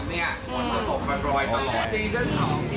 สวัสดีครับคุณผู้ชมครับ